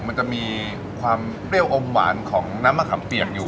มันจะมีความเปรี้ยวอมหวานของน้ำมะขามเปียกอยู่